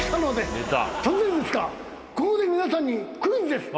突然ですがここで皆さんにクイズです。